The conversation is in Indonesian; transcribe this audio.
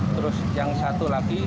terus yang satu lagi